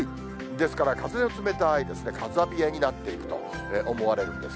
ですから、風の冷たい風冷えになっていくと思われるんです。